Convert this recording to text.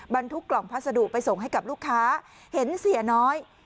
บรรทุกกล่องพัสดุไปส่งให้กับลูกค้าเห็นเสียน้อย